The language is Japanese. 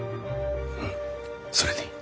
うんそれでいい。